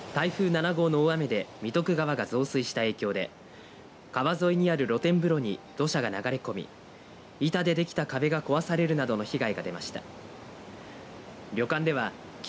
三朝町の三朝温泉にある旅館大橋では台風７号の大雨で三徳川が増水した影響で川沿いにある露天風呂に土砂が流れ込み板でできた壁が壊されるなどの被害が出ました。